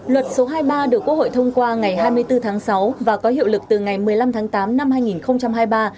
luật số hai mươi ba được quốc hội thông qua ngày hai mươi bốn tháng sáu và có hiệu lực từ ngày một mươi năm tháng tám năm hai nghìn hai mươi ba